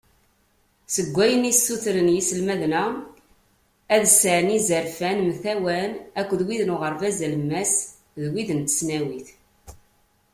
Seg wayen i ssutren yiselmaden-a, ad sεun izerfan mtawan akked wid n uɣerbaz alemmas, d wid n tesnawit.